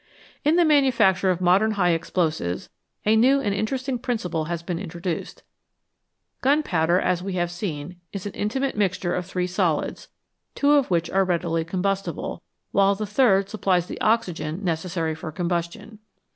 In the manufacture of modern high explosives a new and interesting principle has been introduced. Gun powder, as we have seen, is an intimate mixture of three solids, two of which are readily combustible, while the third supplies the oxygen necessary for combustion.